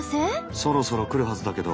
そろそろ来るはずだけど。